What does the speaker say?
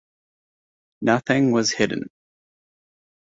Nothing was hidden.